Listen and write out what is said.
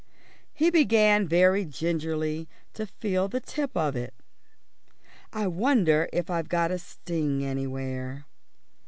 He began very gingerly to feel the tip of it. "I wonder if I've got a sting anywhere."